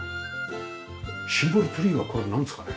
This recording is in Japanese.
シンボルツリーはこれはなんですかね？